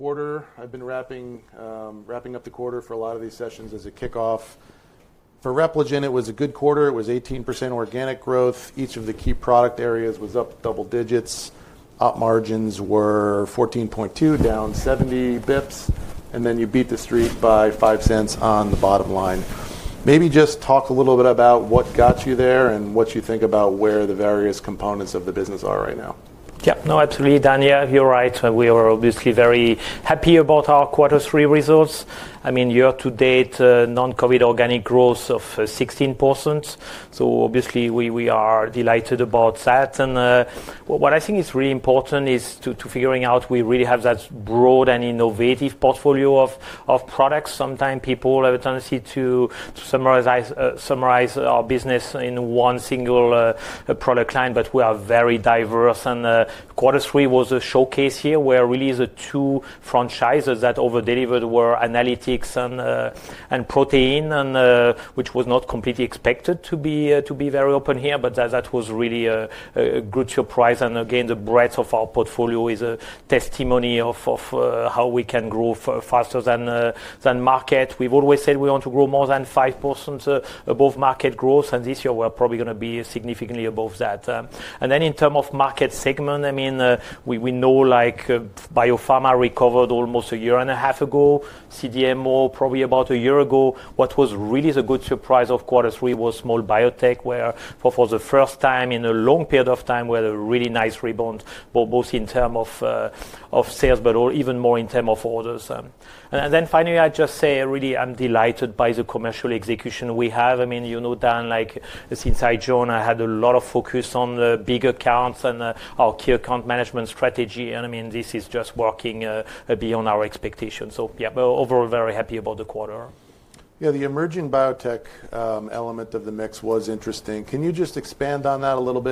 Quarter. I've been wrapping up the quarter for a lot of these sessions as a kickoff for Repligen. It was a good quarter. It was 18% organic growth. Each of the key product areas was up double digits. Op margins were 14.2% down 70 basis points. You beat the street by $0.05 on the bottom line. Maybe just talk a little bit about what got you there and what you think about where the various components of the business are right now. Yeah, no, absolutely Daniel, you're right. We were obviously very happy about our quarter 3 results. I mean, year to date non Covid organic growth of 16%. So obviously we are delighted about that. What I think is really important is to figuring out we really have that broad and innovative portfolio of products. Sometimes people have a tendency to summarize our business in one single product line, but we are very diverse and quite. Quarter three was a showcase here where really the two franchises that over delivered were analytics and protein, which was not completely expected to be very open here. That was really a good surprise. Again, the breadth of our portfolio is a testimony of how we can grow faster than market. We've always said we want to grow more than 5% above market growth and this year we're probably going to be significantly above that. In terms of market segment, we know biopharma recovered almost a year and a half ago, CDMO probably about a year ago. What was really the good surprise of quarter three was small biotech where for the first time in a long period of time we had a really nice rebound both in terms of sales, but even more in terms of orders. I just say really I'm delighted by the commercial execution we have. I mean, you know Dan, like inside Jon, I had a lot of focus on the big accounts and our key account management strategy. I mean this is just working beyond our expectations. Yeah, overall very happy about the quarter. Yeah, the emerging biotech element of the mix was interesting. Can you just expand on that a little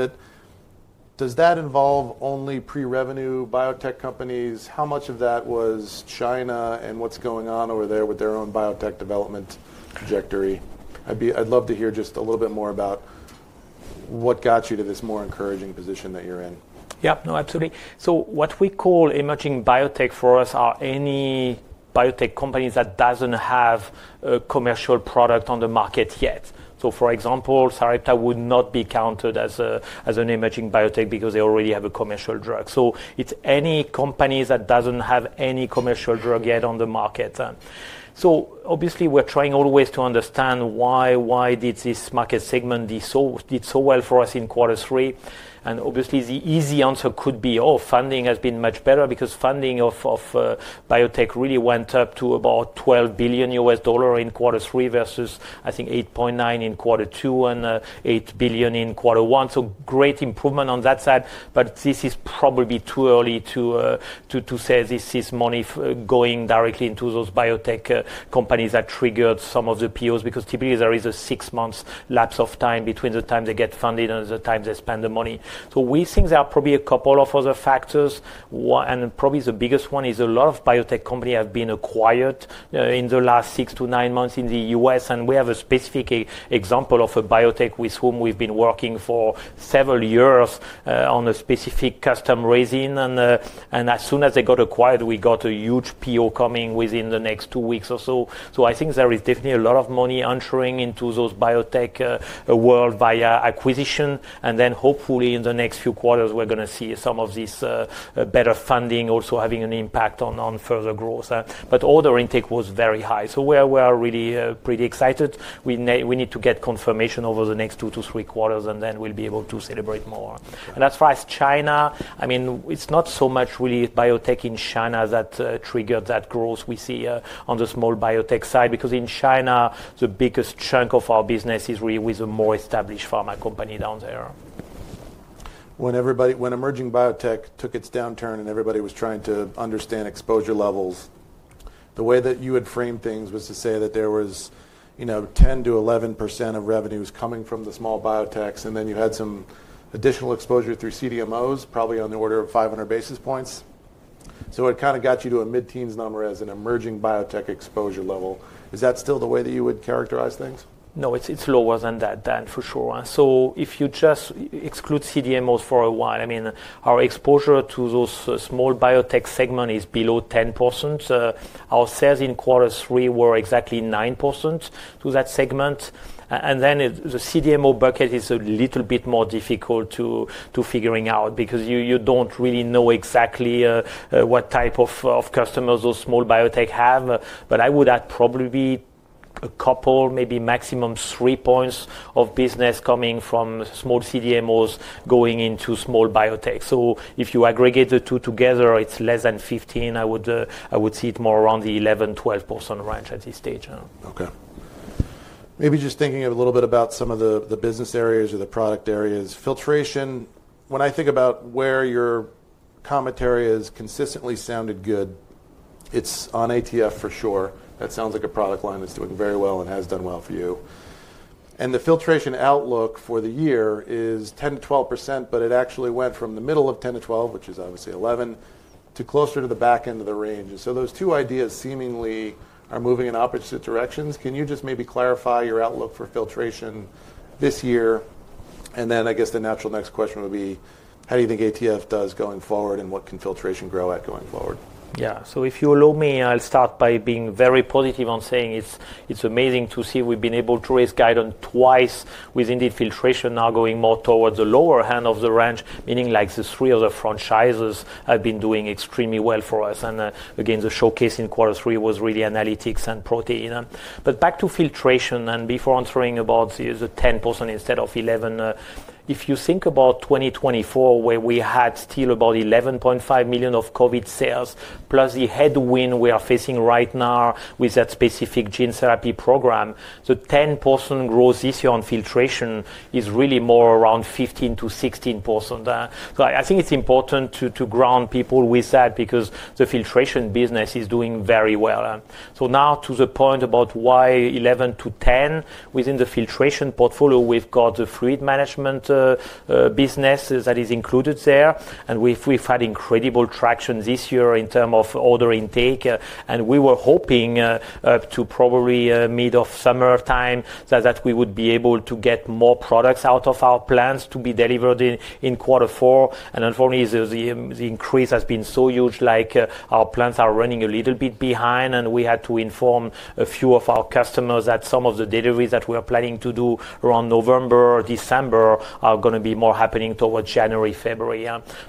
bit? Does that involve only pre-revenue biotech companies? How much of that was China and what's going on over there with their own biotech development trajectory? I'd love to hear just a little bit more about what got you to this more encouraging position that you're in. Yeah, no, absolutely. What we call emerging biotech for us are any biotech companies that do not have a commercial product on the market yet. For example, Sarepta would not be counted as an emerging biotech because they already have a commercial drug. It is any company that does not have any commercial drug yet on the market. Obviously, we are always trying to understand why this market segment did so well for us in quarter three. The easy answer could be, oh, funding has been much better because funding of biotech really went up to about EUR 12 billion in quarter three versus, I think, 8.9 billion in quarter two and 8 billion in quarter one. Great improvement on that side. This is probably too early to say this is money going directly into those biotech companies that triggered some of the POs because typically there is a six-month lapse of time between the time they get funded and the time they spend the money. We think there are probably a couple of other factors and probably the biggest one is a lot of biotech companies have been acquired in the last six to nine months in the US and we have a specific example of a biotech with whom we've been working for several years on a specific custom resin. As soon as they got acquired we got a huge PO coming within the next two weeks or so. I think there is definitely a lot of money entering into those biotech world via acquisition. Hopefully in the next few quarters we're going to see some of this better funding also having an impact on further growth. Order intake was very high so we are really pretty excited. We need to get confirmation the next two to three quarters and then we'll be able to celebrate more. As far as China, I mean it's not so much really biotech in China that triggered that growth we see on the small biotech side because in China the biggest chunk of our business is really with a more established pharma company down there. When everybody, when emerging biotech took its downturn and everybody was trying to understand exposure levels, the way that you had framed things was to say that there was, you know, 10-11% of revenues coming from the small biotechs and then you had some additional exposure through CDMOs, probably on the order of 500 basis points. So it kind of got you to a mid teens number. As an emerging biotech exposure level. Is that still the way that you would characterize things? No, it's lower than that Dan, for sure. If you just exclude CDMOs for a while, I mean our exposure to the small biotech segment is below 10%. Our sales in quarter three were exactly 9% to that segment. The CDMO bucket is a little bit more difficult to figure out because you do not really know exactly what type of customers those small biotech have, but I would add probably a couple, maybe maximum 3 points of business coming from small CDMOs going into small biotech. If you aggregate the two together, it is less than 15%. I would see it more around the 11-12% range at this stage. Owned. Okay, maybe just thinking a little bit about some of the business areas or the product areas. Filtration. When I think about where your commentary has consistently sounded good, it's on ATF for sure. That sounds like a product line that's doing very well and has done well for you. And the filtration outlook for the year is 10-12% but it actually went from the middle of 10-12%, which is obviously 11%, to closer to the back end of the range. Those two ideas seemingly are moving in opposite directions. Can you just maybe clarify your outlook for filtration this year? I guess the natural next question would be how do you think ATF does going forward and what can filtration grow at going forward? Yeah. If you allow me, I'll start by being very positive on saying it's amazing to see we've been able to raise guidance twice with indeed filtration now going more towards the lower end of the range. Meaning like the three other franchises have been doing extremely well for us. Again, the showcase in quarter three was really analytics and protein. Back to filtration and before answering about the 10% instead of 11%, if you think about 2024 where we had still about $11.5 million of COVID sales plus the headwind we are facing right now with that specific gene therapy program, the 10% growth this year on filtration is really more around 15-16%. I think it's important to ground people with that because the filtration business is doing very well. Now to the point about why 11 to 10 within the filtration portfolio, we've got the fluid management business that is included there, and we've had incredible traction this year in terms of order intake. We were hoping probably by mid-summer that we would be able to get more products out of our plants to be delivered in quarter four. Unfortunately, the increase has been so huge, our plants are running a little bit behind, and we had to inform a few of our customers that some of the deliveries that we were planning to do around November, December are going to be happening more towards January, February.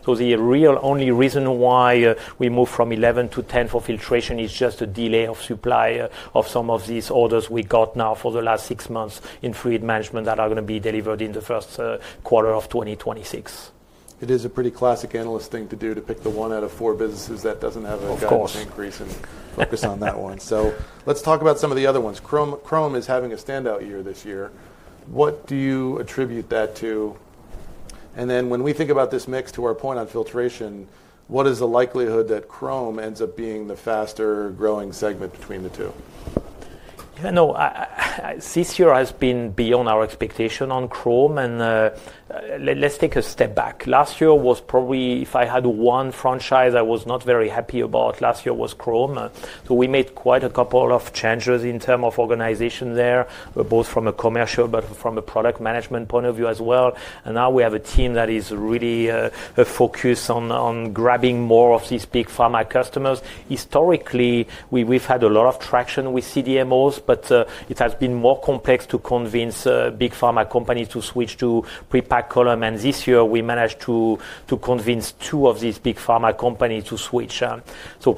The real only reason why we move from 11 to 10 for filtration is just a delay of supply of some of these orders we got now for the last six months in fluid management that are going to be delivered in the first quarter of 2026. It is a pretty classic analyst thing to do to pick the one out of four businesses that does not have an increase in cost. Focus on that one. Let's talk about some of the other ones. Chrome is having a standout year this year. What do you attribute that to? Then when we think about this mix, to our point on filtration, what is the likelihood that Chrome ends up being the faster growing segment between the two? This year has been beyond our expectation on Chrome. Let's take a step back. Last year was probably, if I had one franchise I was not very happy about last year, it was Chrome. We made quite a couple of changes in terms of organization there, both from a commercial and from a product management point of view as well. Now we have a team that is really focused on grabbing more of these big pharma customers. Historically, we've had a lot of traction with CDMOs, but it has been more complex to convince big pharma companies to switch to pre-packed columns. This year we managed to convince two of these big pharma companies to switch.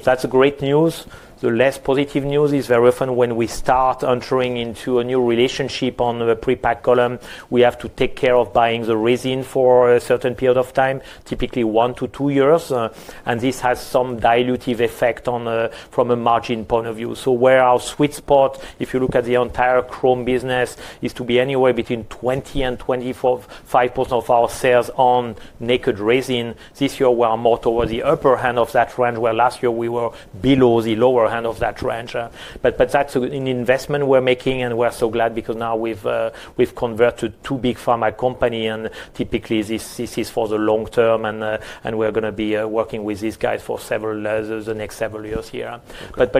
That's great news. The less positive news is very often when we start entering into a new relationship on a pre-packed column, we have to take care of buying the resin for a certain period of time, typically one to two years. This has some dilutive effect from a margin point of view. Where our sweet spot, if you look at the entire Chrome business, is to be anywhere between 20-25% of our sales on naked resin. This year we are more towards the upper end of that range, where last year we were below the lower end of that range. That is an investment we are making and we are so glad because now we have converted two big pharma companies and typically this is for the long term and we are going to be working with these guys for the next several years here.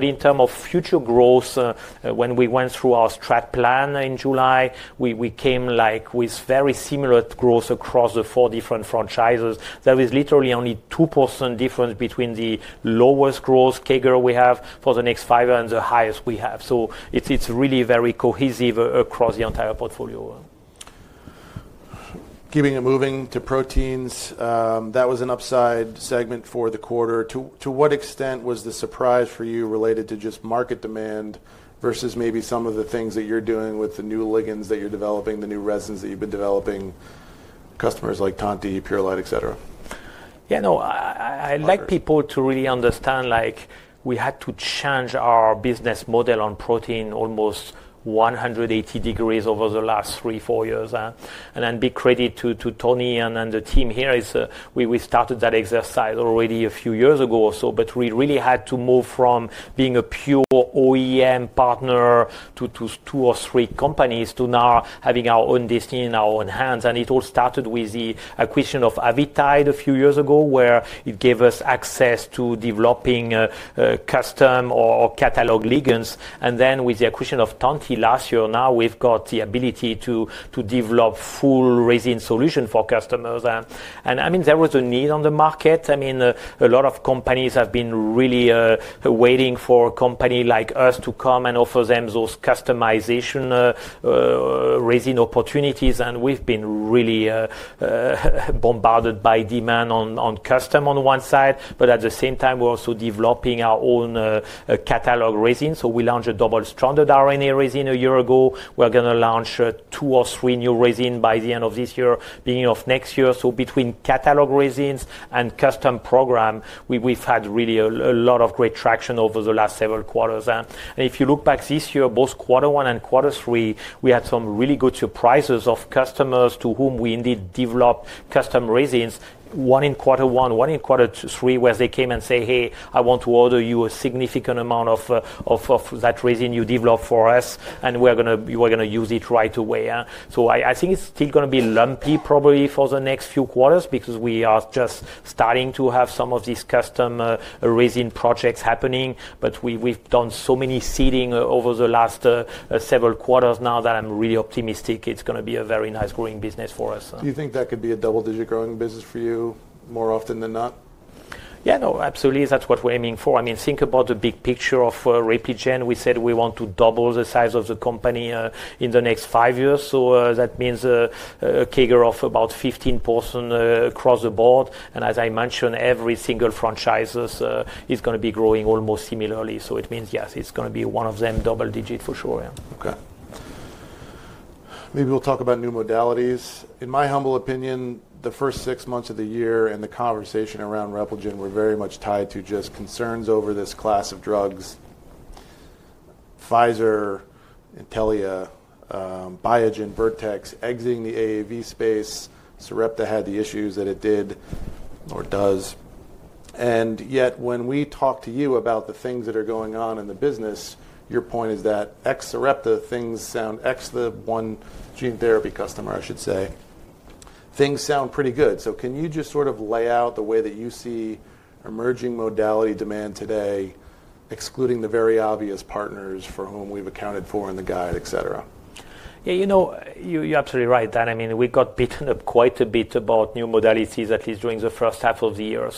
In terms of future growth, when we went through our strategy in July, we came with very similar growth across the four different franchises. There is literally only 2% difference between the lowest growth CAGR we have for the next five and the highest we have. It is really very cohesive across the entire portfolio. Keeping it moving to proteins. That was an upside segment for the quarter. To what extent was the surprise for you related to just market demand versus maybe some of the things that you're doing with the new ligands that you're developing, the new resins that you've been developing, customers like Tanti, Purelite, etc. Yeah, no, I like people to really understand, like we had to change our business model on protein almost 180 degrees over the last three, four years. Big credit to Tony and the team here. We started that exercise already a few years ago or so. We really had to move from being a pure OEM partner to two or three companies to now having our own destiny in our own hands. It all started with the acquisition of Avitide a few years ago where it gave us access to developing custom or catalog ligands. With the acquisition of Tanti last year, now we've got the ability to develop full resin solution for customers. I mean, there was a need on the market. I mean, a lot of companies have been really waiting for a company like us to come and offer them those customization resin opportunities. And we've been really bombarded by demand on custom on one side. At the same time we're also developing our own catalog resin. We launched a double stranded RNA resin a year ago. We're going to launch two or three new resins by the end of this year, beginning of next year. Between catalog resins and custom program, we've had really a lot of great traction over the last several quarters. If you look back this year, both quarter one and quarter three, we had some really good surprises of customers to whom we indeed develop custom resins. One in quarter one, one in quarter three, where they came and say, hey, I want to order you a significant amount of that resin you develop for us and we're going to, you are going to use it right away. I think it's still going to be lumpy probably for the next few quarters because we are just starting to have some of these custom resin projects happening. We've done so many seeding over the last several quarters now that I'm really optimistic. It's going to be a very nice growing business for us. Do you think that could be a double-digit growing business for you more often than not? Yeah, no, absolutely. That's what we're aiming for. I mean, think about the big picture of Repligen. We said we want to double the size of the company in the next five years. That means a CAGR of about 15% across the board. As I mentioned, every single franchise is going to be growing almost similarly. It means yes, it's going to be one of them double digit for sure. Maybe we'll talk about new modalities. In my humble opinion, the first six months of the year and the conversation around Repligen were very much tied to just concerns over this class of drugs. Pfizer, Intellia, Biogen, Vertex, exiting the AAV space. Sarepta had the issues that it did or does. Yet when we talk to you about the things that are going on in the business, your point is that X Sarepta things sound, X the one gene therapy customer, I should say, things sound pretty good. Can you just sort of lay out the way that you see emerging modality demand today, excluding the very obvious partners for whom we've accounted for in the guide, et cetera? You know, you're absolutely right, Dan. I mean we got beaten up quite a bit about new modalities at least during the first half of the year.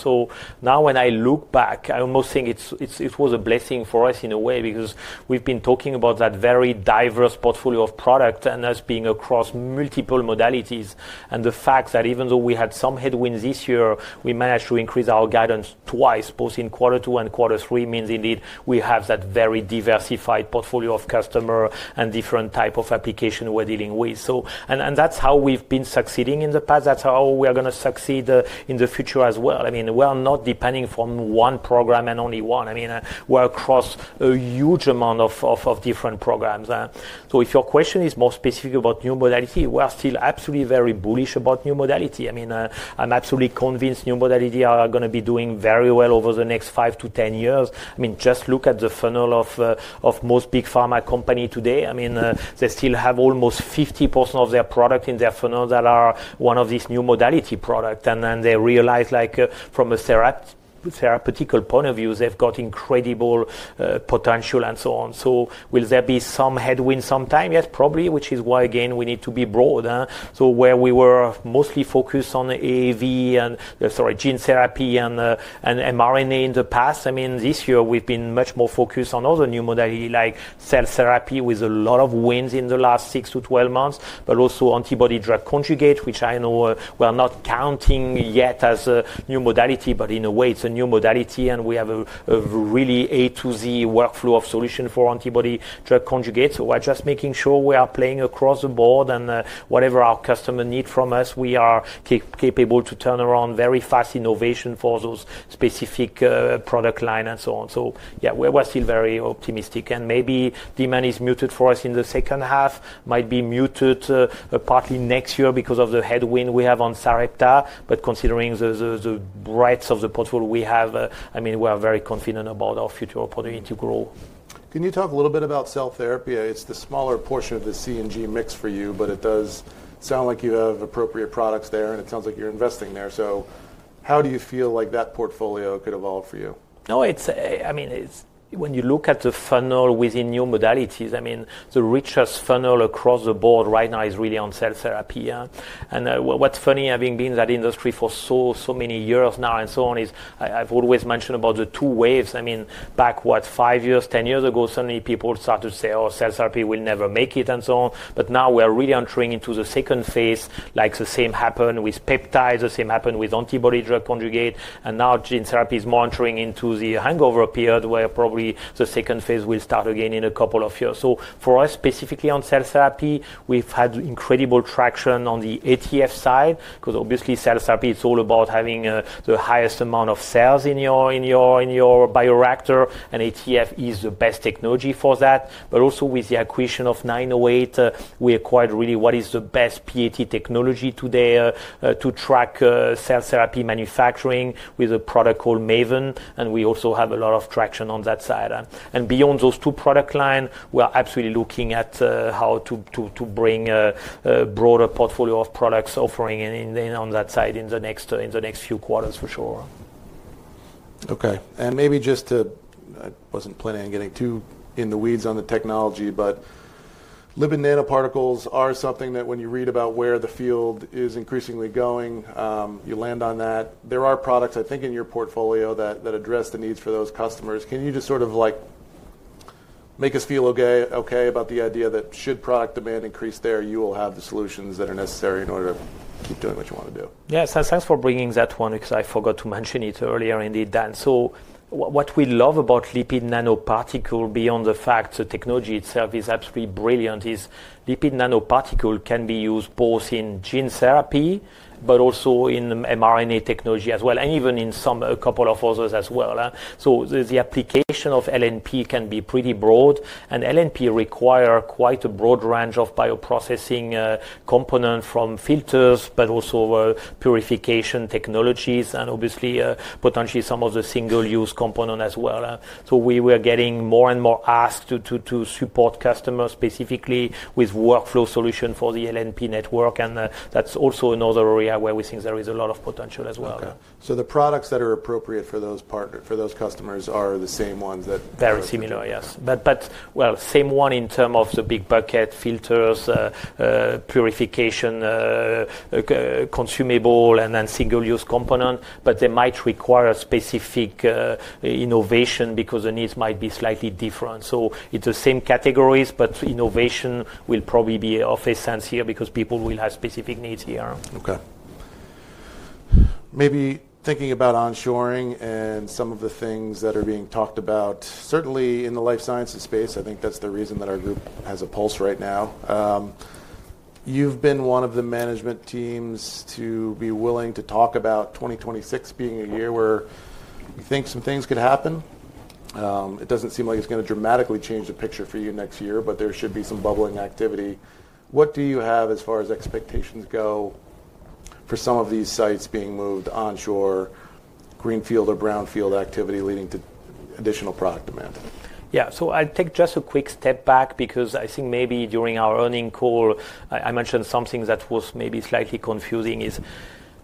Now when I look back, I almost think it was a blessing for us in a way because we've been talking about that very diverse portfolio of product and us being across multiple modalities and the fact that even though we had some headwinds this year, we managed to increase our guidance twice, both in quarter two and quarter three means indeed we have that very diversified portfolio of customer and different type of application we're dealing with. That's how we've been succeeding in the past, that's how we are going to succeed in the future as well. I mean we are not depending from one program and only one. I mean we're across a huge amount of different programs. If your question is more specific about new modality, we are still absolutely very bullish about new modality. I mean I'm absolutely convinced new modality are going to be doing very well over the next five to ten years. I mean just look at the funnel of most big pharma company today. I mean they still have almost 50% of their product in their funnel that are one of these new modality products and then they realize like from a therapeutical point of view they've got incredible potential and so on. Will there be some headwinds sometime? Yes, probably, which is why again we need to be broader. Where we were mostly focused on AAV and, sorry, gene therapy and mRNA in the past, I mean this year we have been much more focused on other new modalities like cell therapy with a lot of wins in the last six to twelve months. Also antibody drug conjugate, which I know we are not counting yet as a new modality, but in a way it is a new modality and we have a really A to Z workflow of solution for antibody drug conjugates. We are just making sure we are playing across the board and whatever our customer needs from us, we are capable to turn around very fast innovation for those specific product line and so on. Yeah, we're still very optimistic and maybe demand is muted for us in the second half, might be muted partly next year because of the headwind we have on Sarepta. But considering the breadth of the portfolio we have, I mean, we are very confident about our future opportunity to grow. Can you talk a little bit about cell therapy? It's the smaller portion of the CNG mix for you, but it does sound like you have appropriate products there and it sounds like you're investing there. How do you feel like that portfolio could evolve for you? No, I mean when you look at the funnel within new modalities, I mean the richest funnel across the board right now is really on cell therapy. And what's funny, having been in that industry for so many years now and so on, is I've always mentioned about the two waves. I mean, back what, five years, ten years ago, suddenly people started to say, oh, cell therapy will never make it, and so on. But now we are really entering into the second phase. Like the same happened with peptides, the same happened with antibody drug conjugate, and now gene therapy is monitoring into the hangover period where probably the second phase will start again in a couple of years. For us specifically on cell therapy, we've had incredible traction on the ATF side because obviously cell therapy is all about having the highest amount of cells in your bioreactor and ATF is the best technology for that. Also, with the acquisition of 908, we acquired really what is the best PAT technology today to track cell therapy manufacturing with a product called Maven. We also have a lot of traction on that side. Beyond those two product lines, we are absolutely looking at how to bring a broader portfolio of products offering on that side in the next few quarters for sure. Okay. Maybe just to, I wasn't planning on getting too in the weeds on the technology, but lipid nanoparticles are something that when you read about where the field is increasingly going, you land on that. There are products, I think, in your portfolio that address the needs for those customers. Can you just sort of like make us feel okay about the idea that should product demand increase there, you will have the solutions that are necessary in order to keep doing what you want to do. Yes, thanks for bringing that one because I forgot to mention it earlier. Indeed, Dan. What we love about lipid nanoparticle, beyond the fact the technology itself is absolutely brilliant, is lipid nanoparticle can be used both in gene therapy, but also in mRNA technology as well, and even in a couple of others as well. The application of LNP can be pretty broad and LNP require quite a broad range of bioprocessing components from filters, but also purification technologies and obviously potentially some of the single-use component as well. We were getting more and more asked to support customers specifically with workflow solution for the LNP network. That is also another area where we think there is a lot of potential as well. The products that are appropriate for those customers are the same ones that. Very similar. Yes, but same one in terms of the big bucket filters, purification, consumable and then single use component. They might require specific innovation because the needs might be slightly different. It is the same categories, but innovation will probably be of essence here because people will have specific, specific needs here. Okay, maybe thinking about onshoring and some of the things that are being talked about certainly in the life sciences space. I think that's the reason that our group has a pulse right now. You've been one of the management teams to be willing to talk about 2026 being a year where you think some things could happen. It doesn't seem like it's going to dramatically change the picture for you now next year, but there should be some bubbling activity. What do you have as far as expectations go for some of these sites being moved onshore, Greenfield or brownfield activity leading to additional product demand. Yeah. I'll take just a quick step back because I think maybe during our earnings call I mentioned something that was maybe slightly confusing.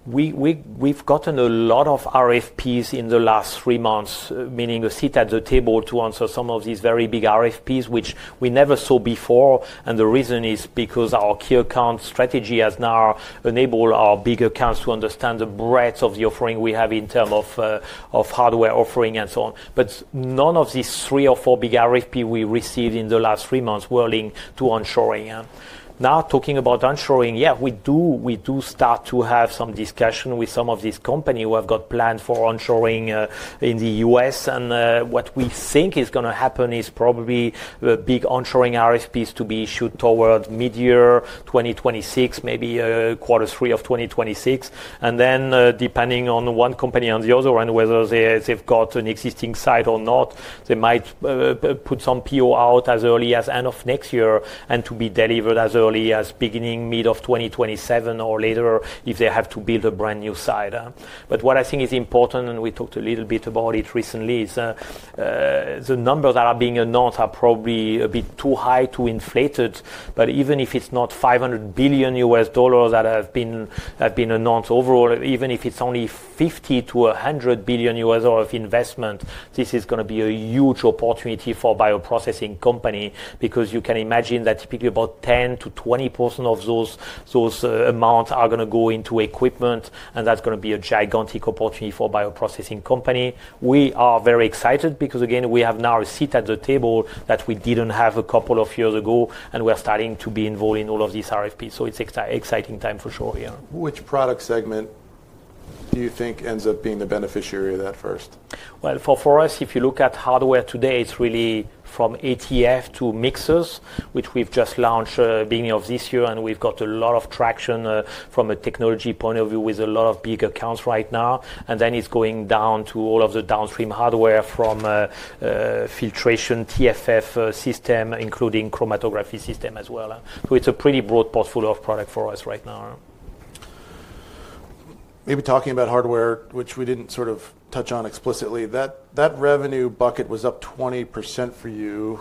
We've gotten a lot of RFPs in the last three months, meaning a seat at the table to answer some of these very big RFPs, which we never saw before. The reason is because our key account strategy has now enabled our big accounts to understand the breadth of the offering we have in terms of hardware offering and so on. None of these three or four big RFPs we received in the last three months were linked to onshoring. Now, talking about onshoring. Yeah, we do. We do start to have some discussion with some of these companies who have got plans for onshoring in the US and what we think is going to happen is probably the big onshoring RSPs to be issued towards mid year 2026, maybe quarter three of 2026, and then depending on one company on the other end, whether they've got an existing site or not, they might put some people out as early as end of next year and to be delivered as early as beginning mid of 2027 or later if they have to build a brand new site. What I think is important, and we talked a little bit about it recently, is the numbers that are being announced are probably a bit too high, too inflated. Even if it's not $500 billion that have been announced overall, even if it's only $50 billion-$100 billion of investment, this is going to be a huge opportunity for bioprocessing companies because you can imagine that typically about 10%-20% of those amounts are going to go into equipment and that's going to be a gigantic opportunity for a bioprocessing company. We are very excited because again we have now a seat at the table that we didn't have a couple of years ago and we're starting to be involved in all of these RFPs. It's an exciting time for sure. Which product segment do you think ends up being the beneficiary of that first? If you look at hardware today, it's really from ATF to mixers which we've just launched beginning of this year and we've got a lot of traction from a technology point of view with a lot of big accounts right now. It is going down to all of the downstream hardware from filtration TFF system, including chromatography system as well. It is a pretty broad portfolio of product for us right now. Maybe talking about hardware, which we didn't sort of touch on explicitly, that revenue bucket was up 20% for you.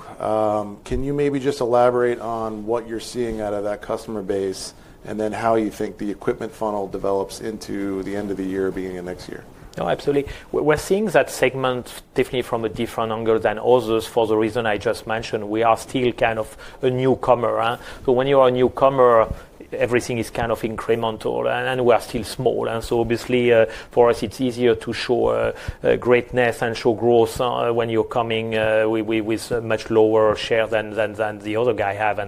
Can you maybe just elaborate on what you're seeing out of that customer base and then how you think the equipment funnel develops into the end of the year, beginning of next year? No, absolutely. We're seeing that segment definitely from a different angle than others. For the reason I just mentioned, we are still kind of a newcomer. When you are a newcomer everything is kind of incremental and we are still small. Obviously for us it's easier to show greatness and show growth when you're coming with much lower share than the other guy have.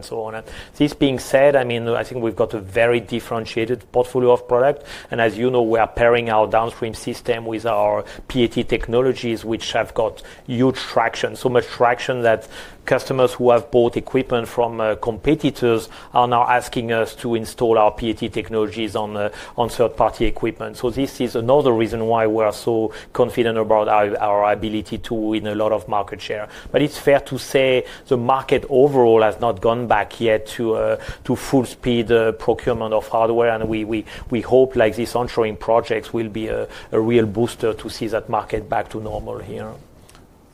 This being said, I mean I think we've got a very differentiated portfolio of product. As you know, we are pairing our downstream system with our PAT technologies which have got huge traction. So much traction that customers who have bought equipment from competitors are now asking us to install our PAT technologies on third party equipment. This is another reason why we are so confident about our ability to win a lot of market share. It is fair to say the market overall has not gone back yet to full speed procurement of hardware. We hope these onshoring projects will be a real booster to see that market back to normal here.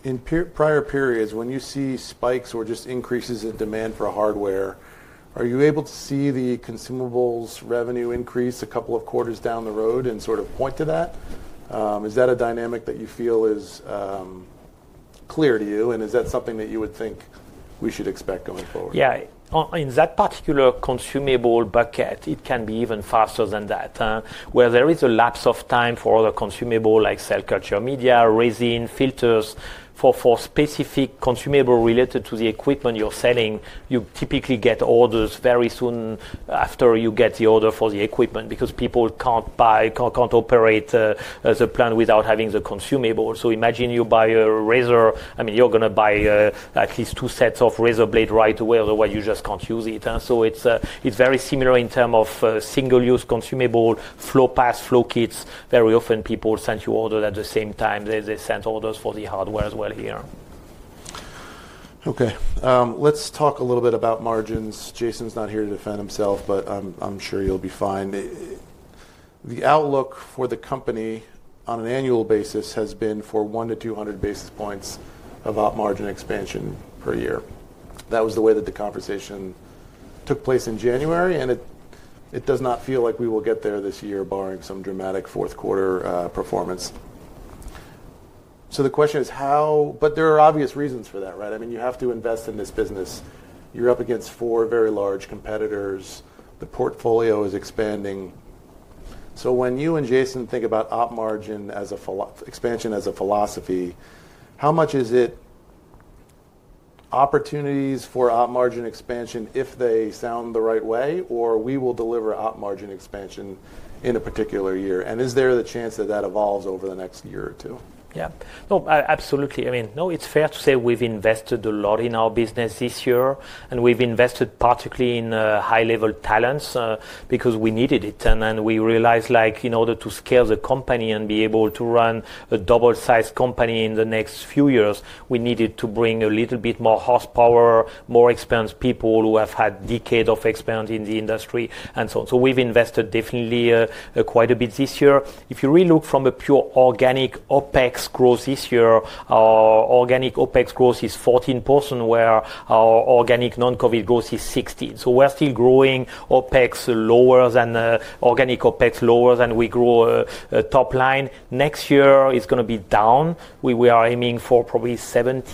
In prior periods when you see spikes or just increases in demand for hardware, are you able to see the consumables revenue increase a couple of quarters down the road and sort of point to that? Is that a dynamic that you feel is clear to you and is that something that you would think we should expect going forward? Yeah, in that particular consumable bucket, it can be even faster than that where there is a lapse of time for the consumable like cell culture, maybe media, resin, filters. For specific consumable related to the equipment you're selling, you typically get orders very soon after you get the order for the equipment because people can't buy, can't operate the plant without having the consumable. I mean, imagine you buy a razor, you're going to buy at least two sets of razor blades right away, otherwise you just can't use it. It is very similar in terms of single-use consumable flow pass flow kits. Very often people send you orders at the same time they send orders for the hardware as well here. Okay, let's talk a little bit about margins. Jason's not here to defend himself, but I'm sure you'll be fine. The outlook for the company on an annual basis has been for 100-200 basis points of op margin expansion per year. That was the way that the conversation took place in January. It does not feel like we will get there this year barring some dramatic fourth quarter performance. The question is how? There are obvious reasons for that, right? I mean you have to invest in this business. You're up against four very large competitors. The portfolio is expanding. When you and Jason think about op margin as an expansion, as a philosophy, how much is it? Is it opportunities for op margin expansion if they sound the right way, or we will deliver op margin expansion in a particular year, and is there the chance that that evolves over the next year or two? Yeah, absolutely. I mean, no, it's fair to say we've invested a lot in our business this year and we've invested particularly in high level talents because we needed it. I mean, we realized like in order to scale the company and be able to run a double sized company in the next few years, we needed to bring a little bit more horsepower, more expense, people who have had decades of expense in the industry and so on. So we've invested definitely quite a bit this year. If you really look from a pure organic OpEx growth this year, our organic OpEx growth is 14% where our organic non-Covid growth is 16%. We're still growing OpEx lower than organic, OpEx lower than we grow. Top line next year is going to be down. We are aiming for probably 70%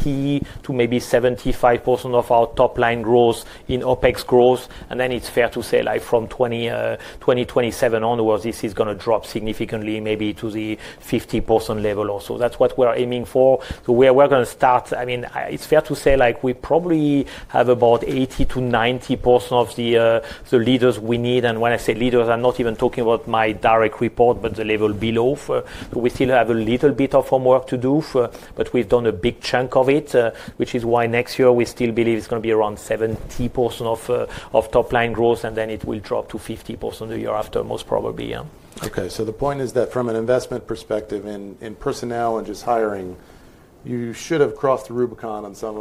to maybe 75% of our top line growth in OpEx growth. I mean it's fair to say like from 2027 onwards this is going to drop significantly, maybe to the 50% level or so. That's what we're aiming for, where we're going to start. I mean it's fair to say like we probably have about 80% to 90% of the leaders we need. And when I say leaders, I'm not even talking about my direct report, but the level below. We still have a little bit of homework to do, but we've done a big chunk of it, which is why next year we still believe it's going to be around 70% of top line growth and then it will drop to 50% the year after most probably. Okay, so the point is that from an investment perspective in personnel and just hiring, you should have crossed the Rubicon on some,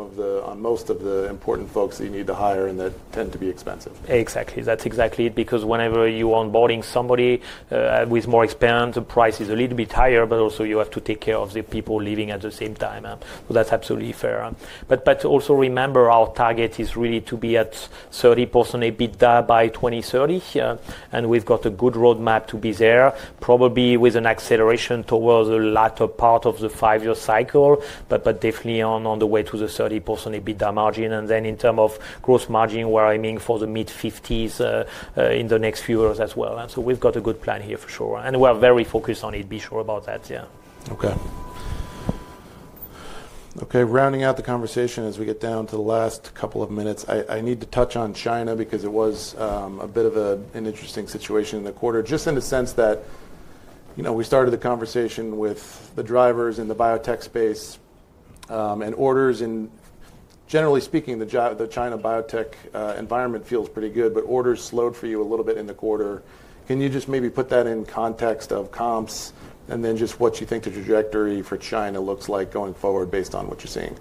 most of the important folks that you need to hire and that tend to be expensive. Exactly. That's exactly it. Because whenever you are onboarding somebody with more expense, the price is a little bit higher. Also, you have to take care of the people leaving at the same time. That's absolutely fair. Also remember our target is really to be at 30% EBITDA by 2030 and we've got a good roadmap to be there, probably with an acceleration towards the latter part of the five year cycle, but definitely on the way to the 30% EBITDA margin. In terms of gross margin, I mean, for the mid-50s in the next few years as well. We've got a good plan here for sure and we're very focused on it. Be sure about that. Yeah. Okay. Okay. Rounding out the conversation as we get down to the last couple of minutes, I need to touch on China because it was a bit of an interesting situation in the quarter. Just in the sense that, you know, we started the conversation with the drivers in the biotech space and orders and generally speaking, the China biotech environment feels pretty good. But orders slowed for you a little bit in the quarter. Can you just maybe put that in context of comps and then just what you think the trajectory for China looks like going forward based on what you're seeing?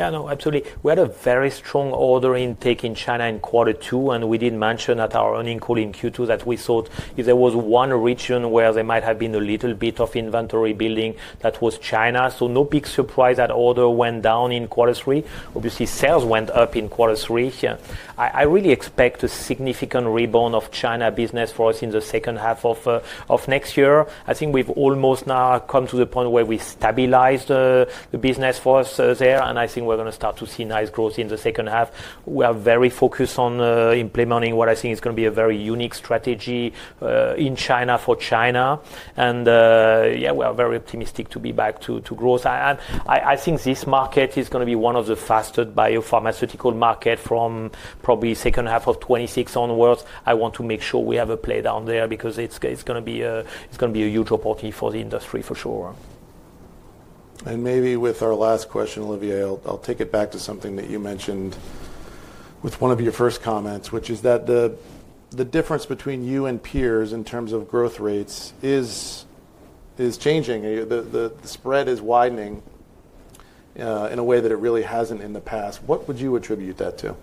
Yeah, no, absolutely. We had a very strong order intake in China in quarter two and we did mention at our earnings in Q2 that we thought there was one region where there might have been a little bit of inventory building, that was China. No big surprise that order went down in quarter three. Obviously sales went up in quarter three. I really expect a significant rebound of China business for us in the second half of next year. I think we've almost now come to the point where we stabilize the business for us there and I think we're going to start to see nice growth in the second half. We are very focused on implementing what I think is going to be a very unique strategy in China for China. Yeah, we are very optimistic to be back to growth. I think this market is going to be one of the fastest biopharmaceutical markets from probably the second half of 2026 onwards. I want to make sure we have a play down there because it is going to be a huge opportunity for the industry for sure. Maybe with our last question, Olivier, I'll take it back to something that you mentioned with one of your first comments, which is that the difference between you and peers in terms of growth rates is changing, the spread is widening in a way that it really hasn't in the past. What would you attribute that to?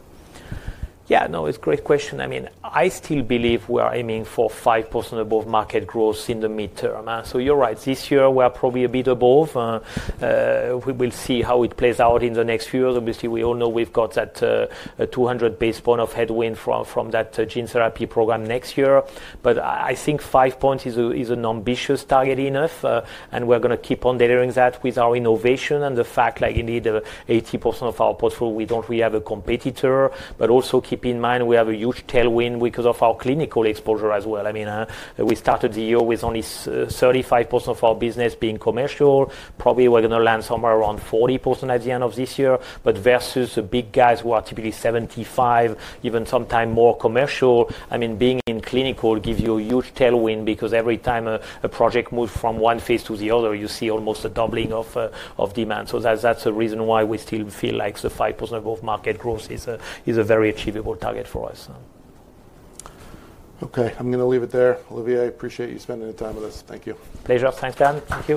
Yeah, no, it's a great question. I mean, I still believe we are aiming for 5% above market growth in the midterm. So you're right. This year we're probably a bit above. We will see how it plays out in the next few years. Obviously we all know we've got that 200 basis point of headwind from that gene therapy program next year. But I think five points is an ambitious target enough and we're going to keep on delivering that with our innovation and the fact 80% of our portfolio we don't really have a competitor. But also keep in mind we have a huge tailwind because of our clinical exposure as well. I mean, we started the year with only 35% of our business being commercial. Probably we're going to land somewhere around 40% at the end of this year, but versus the big guys, who are typically 75%. Even sometime more commercial. I mean, being in clinical gives you a huge tailwind because every time a project moves from one phase to the other, you see almost a doubling of demand. That is the reason why we still feel like the 5% market growth is a very achievable target for us. Okay, I'm going to leave it there. Olivier, I appreciate you spending the time with us. Thank you. Pleasure. Thanks, Dan. Thank you.